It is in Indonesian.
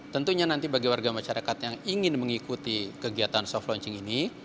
tentunya nanti bagi warga masyarakat yang ingin mengikuti kegiatan soft launching ini